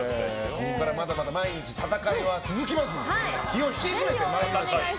ここからまた毎日戦いは続きますので気を引き締めてまいりましょう。